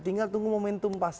tinggal tunggu momentum pas